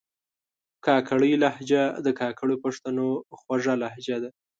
کاکړۍ لهجه د کاکړو پښتنو خوږه لهجه ده